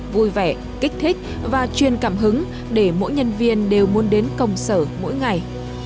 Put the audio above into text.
vui vẻ kích thích và chuyên cảm hứng để mỗi nhân viên đều muốn đến công sở mỗi ngày